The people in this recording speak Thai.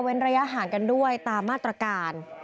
ระยะห่างกันด้วยตามมาตรการ